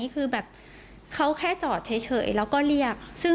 เขาแค่จอดเฉยแล้วก็เรียก